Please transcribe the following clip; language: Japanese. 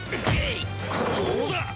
こうだ！